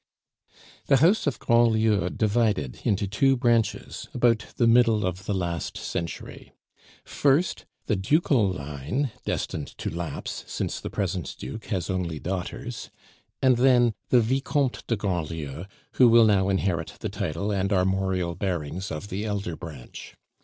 The House of Grandlieu divided into two branches about the middle of the last century: first, the ducal line destined to lapse, since the present duke has only daughters; and then the Vicomtes de Grandlieu, who will now inherit the title and armorial bearings of the elder branch.